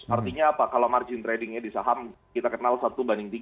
artinya apa kalau margin tradingnya di saham kita kenal satu banding tiga